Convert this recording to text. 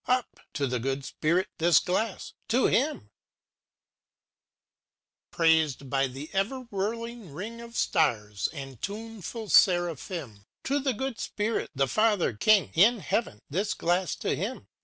Upt To the Good Spirit this glass! To Htni Chorm â Praised by the ever whirling ring Of stars, and tuneful Seraphim, ^ To the Good Spirit, the Father King In heaven! This glass to him!